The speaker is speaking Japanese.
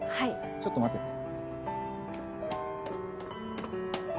ちょっと待ってて。